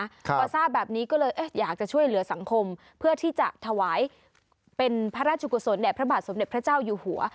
พอทราบแบบนี้ก็เลยอยากจะช่วยเหลือสังคมเพื่อที่จะถวายเป็นพระราชกุศลแด่พระบาทสมเด็จพระเจ้าอยู่หัว